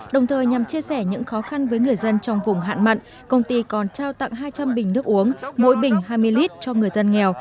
đồng thời nhằm chia sẻ những khó khăn với người dân trong vùng hạn mặn công ty còn trao tặng hai trăm linh bình nước uống mỗi bình hai mươi lít cho người dân nghèo